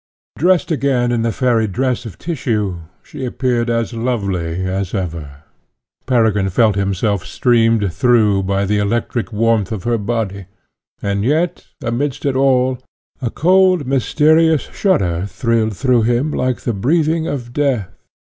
Dressed again in the fairy dress of tissue, she appeared as lovely as ever. Peregrine felt himself streamed through by the electric warmth of her body, and yet, amidst it all, a cold mysterious shudder thrilled through him like the breathing of death.